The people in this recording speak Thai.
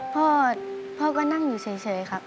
พ่อก็นั่งอยู่เฉยครับ